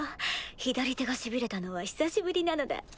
左手がしびれたのは久しぶりなのだ。